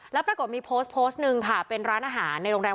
แล้วปรากฏมีโพสต์โพสต์หนึ่งค่ะเป็นร้านอาหารในโรงแรม